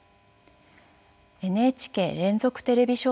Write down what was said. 「ＮＨＫ連続テレビ小説